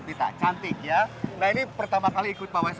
ini jalan kaki loh lumayan jauh